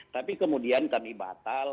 tapi kemudian kami batal